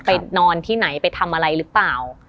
นอนที่ไหนไปทำอะไรหรือเปล่า